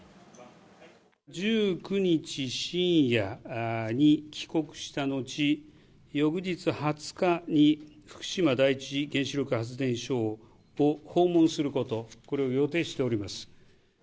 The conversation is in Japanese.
１９日深夜に帰国した後、翌日２０日に、福島第一原子力発電所を訪問すること、これを予定しております。